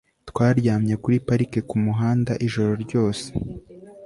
twaryamye kuri parike kumuhanda ijoro ryose